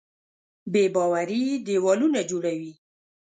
بېباوري دیوالونه جوړوي.